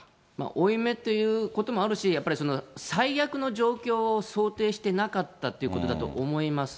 負い目ということもあるし、やっぱりその、最悪の状況を想定してなかったということだと思います。